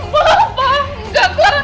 ma enggak clara